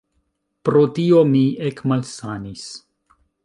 Pro tio mi ekmalsanis.